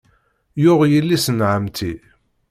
Yuɣ yelli-s n ɛemmti.